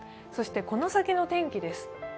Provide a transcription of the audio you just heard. そしてこの先の天気です。